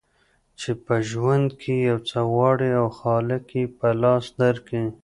چي په ژوند کي یو څه غواړې او خالق یې په لاس درکي